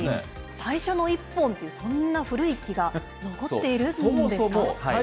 最初の１本ってそんな古い木が残っているんですか。